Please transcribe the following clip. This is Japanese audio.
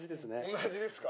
同じですか？